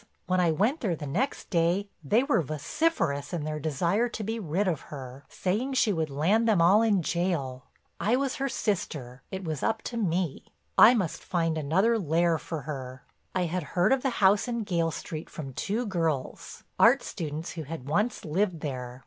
When I went there the next day they were vociferous in their desire to be rid of her, saying she would land them all in jail. I was her sister; it was up to me, I must find another lair for her. "I had heard of the house in Gayle Street from two girls, art students, who had once lived there.